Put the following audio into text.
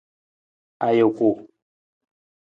Ajuku.